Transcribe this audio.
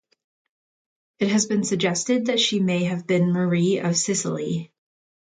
It has been suggested that she may have been Marie of Sicily.